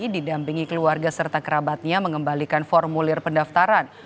didampingi keluarga serta kerabatnya mengembalikan formulir pendaftaran